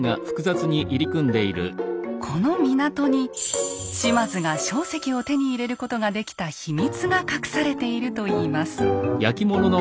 この港に島津が硝石を手に入れることができた秘密が隠されているといいます。